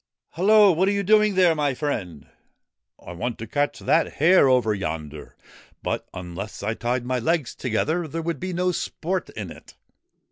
' Hello ! What are you doing there, my friend ?'' I want to catch that hare over yonder ; but unless I tied my legs together there would be no sport in it.'